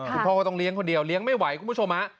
คุณพ่อก็ต้องเลี้ยงคนเดียวเลี้ยงไม่ไหวคุณผู้ชมฮะ